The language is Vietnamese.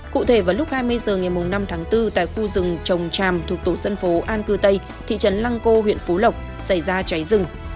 cụ thể vào lúc hai mươi h ngày năm tháng bốn tại khu rừng trồng tràm thuộc tổ dân phố an cư tây thị trấn lăng cô huyện phú lộc xảy ra cháy rừng